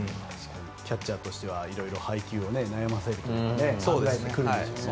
キャッチャーとしては色々と配球を悩ませるというか考えてくるんでしょうね。